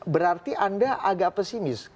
berarti anda agak pesimis